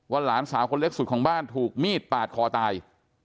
หลานสาวคนเล็กสุดของบ้านถูกมีดปาดคอตาย